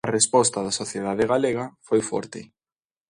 A resposta da sociedade galega foi forte.